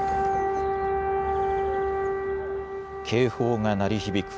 警報が鳴り響く